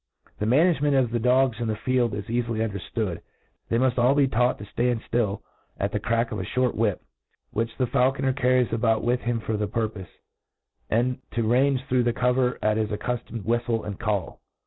The manisigemcnt of the dogs in the field is cafily underftood. They muft be ail taught to ftand ftill at the crack of a (hort whip, which the faulconet carries about with him for the purpofe, and to range through the Cover at his accuftomed tj^hiftle and Call.